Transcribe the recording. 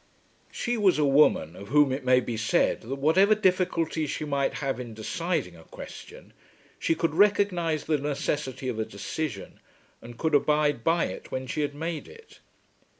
She was a woman of whom it may be said that whatever difficulty she might have in deciding a question she could recognise the necessity of a decision and could abide by it when she had made it.